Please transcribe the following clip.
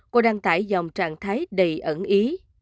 cô đang tại dòng trạng thái đầy ẩn ý